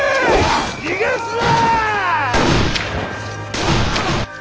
逃がすな！